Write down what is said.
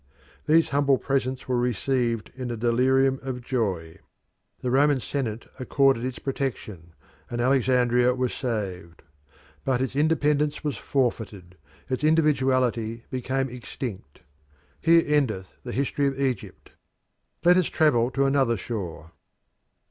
These humble presents were received in a delirium of joy. The Roman Senate accorded its protection, and Alexandria was saved. But its independence was forfeited, its individuality became extinct. Here endeth the history of Egypt. Let us travel to another shore.